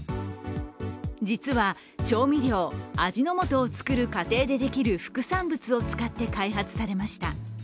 実は調味料、味の素をつくる過程でできる副産物を使って開発されました。